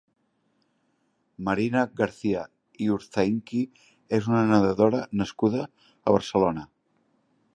Marina Garcia i Urzainqui és una nedadora nascuda a Barcelona.